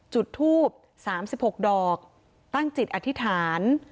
จุดทูบ๓๖ดอกตั้งจิตอธิษฐาน